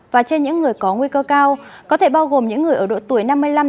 và trên những người có nguy cơ cao có thể bao gồm những người ở độ tuổi năm mươi năm bảy mươi bốn